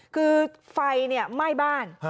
คือไฟเนี่ยไหม้บ้าน